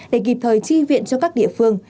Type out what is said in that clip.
để kịp thời tri viện cho các địa phương